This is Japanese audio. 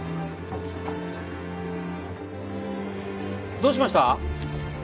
どうしました？